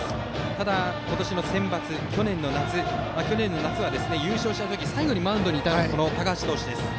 ただ、今年のセンバツそして去年夏は優勝した時最後にマウンドにいたのがこの高橋投手です。